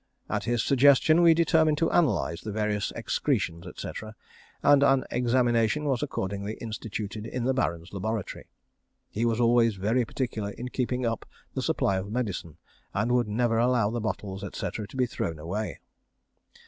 At his suggestion, we determined to analyse the various excretions, &c., and an examination was accordingly instituted in the Baron's laboratory. He was always very particular in keeping up the supply of medicine, and would never allow the bottles, &c., to be thrown away.